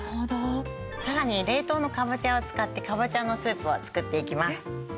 さらに冷凍のかぼちゃを使ってかぼちゃのスープを作っていきます。